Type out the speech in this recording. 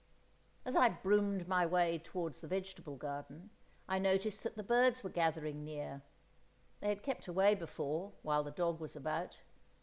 As I broomed my way towards the vegetable garden, I noticed that the birds were gathering near—they had kept away before, while the dog was about.